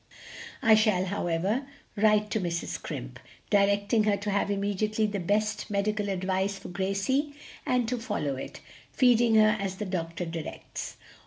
I shall, however, write to Mrs. Scrimp, directing her to have immediately the best medical advice for Gracie, and to follow it, feeding her as the doctor directs.